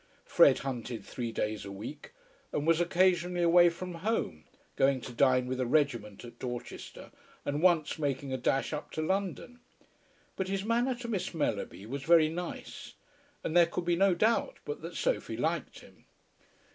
Fred hunted three days a week, and was occasionally away from home, going to dine with a regiment at Dorchester, and once making a dash up to London; but his manner to Miss Mellerby was very nice, and there could be no doubt but that Sophie liked him.